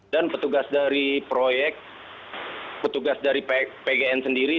dan petugas dari proyek petugas dari pgn sendiri